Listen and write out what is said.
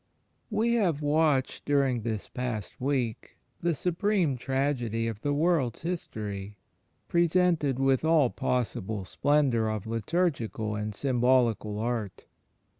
We have watched during this past week the supreme tragedy of the world's history, presented with all possible splendour of liturgical and symbolical art.